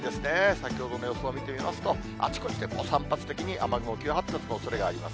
先ほどの予想を見てみますと、あちこちで散発的に雨雲、急発達のおそれがあります。